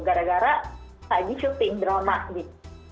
gara gara tadi shooting drama gitu